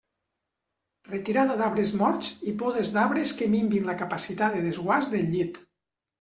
Retirada d'arbres morts i podes d'arbres que minvin la capacitat de desguàs del llit.